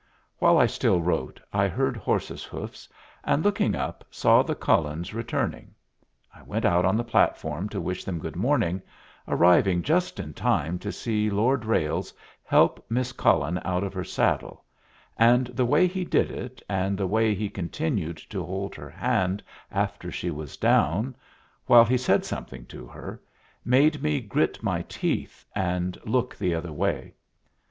While I still wrote, I heard horses' hoofs, and, looking up, saw the Cullens returning. I went out on the platform to wish them good morning, arriving just in time to see Lord Ralles help Miss Cullen out of her saddle; and the way he did it, and the way he continued to hold her hand after she was down, while he said something to her, made me grit my teeth and look the other way.